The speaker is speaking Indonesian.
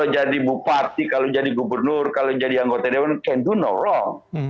jadi gubernur kalau menjadi anggota dewan can do no wrong